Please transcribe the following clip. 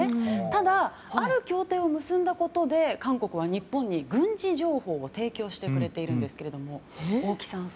ただ、ある協定を結んだことで韓国は日本に軍事情報を提供してくれているんですが大木さん